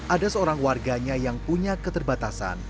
ada seorang warganya yang punya keterbatasan